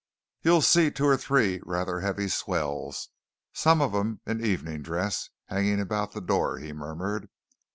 "You'll see two or three rather heavy swells, some of 'em in evening dress, hanging about the door," he murmured.